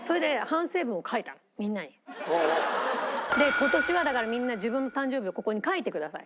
「今年はだからみんな自分の誕生日をここに書いてください。